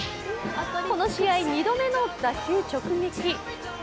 この試合、２度目の打球直撃。